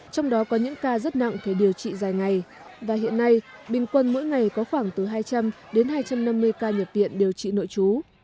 trong đó có những ca rất nặng phải điều trị dài ngày và hiện nay bình quân mỗi ngày có khoảng từ hai trăm linh đến hai trăm năm mươi ca nhập viện điều trị nội chú